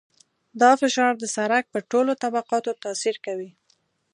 دا فشار د سرک په ټولو طبقاتو تاثیر کوي